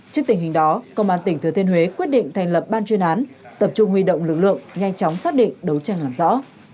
trước tình hình đó công an tỉnh thừa thiên huế quyết định thành lập ban chuyên án tập trung huy động lực lượng nhanh chóng xác định đấu tranh làm rõ